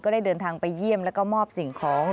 ได้เดินทางไปเยี่ยมแล้วก็มอบสิ่งของ